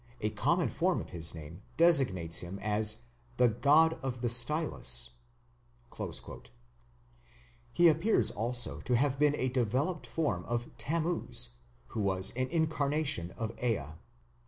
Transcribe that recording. A common form of his name designates him as the 'god of the stylus'." He appears also to have been a developed form of Tammuz, who was an incarnation of Ea.